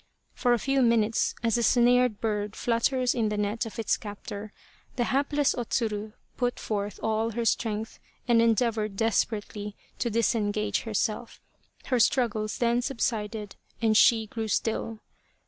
For a few minutes, as a snared bird flutters in the net of its captor, the hapless O Tsuru put forth all her strength and endeavoured desperately to dis 32 The Quest of the Sword engage herself ; her struggles then subsided and she grew still.